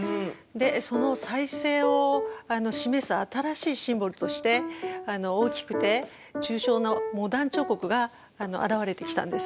その再生を示す新しいシンボルとして大きくて抽象のモダン彫刻が現れてきたんです。